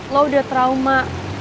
lo udah trauma